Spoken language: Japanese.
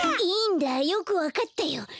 いいんだよくわかったよ。